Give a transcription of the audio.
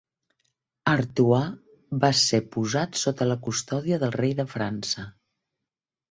Artois va ser posat sota la custòdia del rei de França.